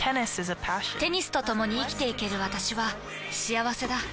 テニスとともに生きていける私は幸せだ。